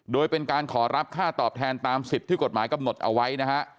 โดยเป็นการขอรับค่าตอบแทนตามสิทธิ์ที่กฎหมายกำหนดเอาไว้นะฮะ